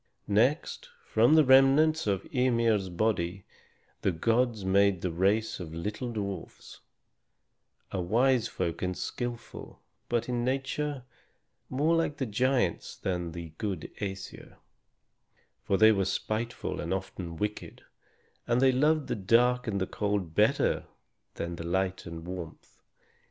Next, from the remnants of Ymir's body the gods made the race of little dwarfs, a wise folk and skillful, but in nature more like the giants than like the good Æsir; for they were spiteful and often wicked, and they loved the dark and the cold better than light and warmth.